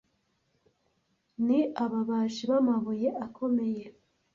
ni ababaji b'amabuye akomeye